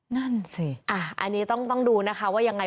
นั่นสิอันนี้ต้องดูนะคะว่ายังไง